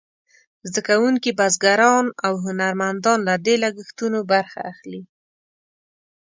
زده کوونکي، بزګران او هنرمندان له دې لګښتونو برخه اخلي.